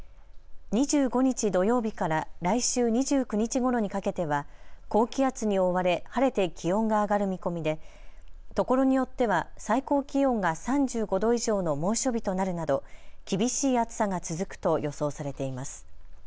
２５日土曜日から来週２９日ごろにかけては高気圧に覆われ晴れて気温が上がる見込みで所によっては最高気温が３５度以上の猛暑日となるなど厳しい暑さが続くと予想されています。